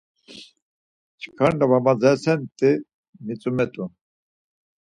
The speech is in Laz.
Çkar navar madzirasenti mitzumert̆u.